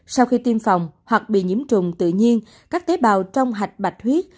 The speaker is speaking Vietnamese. sau khi tiêm phòng hoặc bị nhiễm trùng tự nhiên các tế bào trong hạch bạch bạch huyết